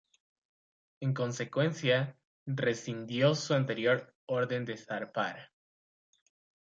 En consecuencia, rescindió su anterior orden de zarpar.